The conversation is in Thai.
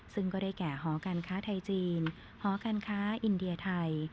ซึ่งก็ได้แก่หอการค้าไทยจีนหอการค้าอินเดียไทย